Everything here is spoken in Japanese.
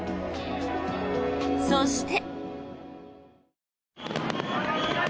そして。